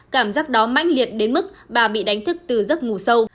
cảm giác đó mãnh liệt đến mức bà bị đánh thức từ giấc ngủ sâu